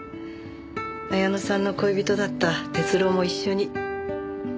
彩乃さんの恋人だった徹郎も一緒に。